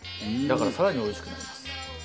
だから更においしくなります。